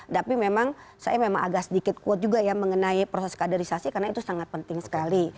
tapi memang saya memang agak sedikit kuat juga ya mengenai proses kaderisasi karena itu sangat penting sekali